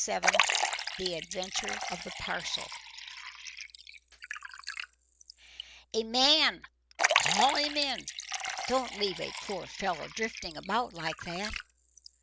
XXVI THE ADVENTURE OF THE PARCEL "A man! Haul him in! Don't leave a poor fellow drifting about like that."